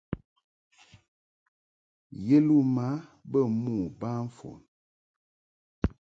Yeluma bə mo ba fon.